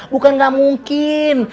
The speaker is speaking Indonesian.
bukan gak mungkin